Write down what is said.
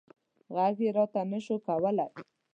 غږ یې راته نه شو کولی.